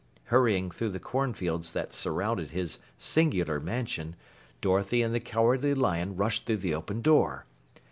Hurrying through the cornfields that surrounded his singular mansion, Dorothy and the Cowardly Lion rushed through the open door.